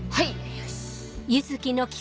よし。